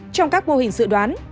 trong các mô hình dự đoán